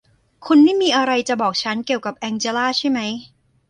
คุณไม่มีอะไรที่จะบอกฉันเกี่ยวกับแองเจลลาใช่ไหม